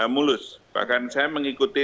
mulus bahkan saya mengikuti